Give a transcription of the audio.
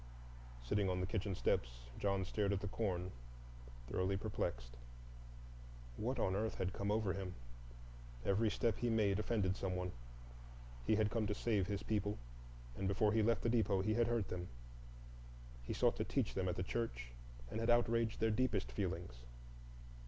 Sitting on the kitchen steps, John stared at the corn, thoroughly perplexed. What on earth had come over him? Every step he made offended some one. He had come to save his people, and before he left the depot he had hurt them. He sought to teach them at the church, and had outraged their deepest feelings.